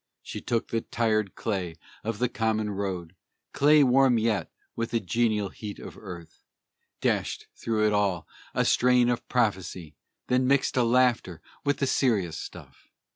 She took the tried clay of the common road Clay warm yet with the genial heat of Earth, Dashed through it all a strain of prophecy; Then mixed a laughter with the serious stuff.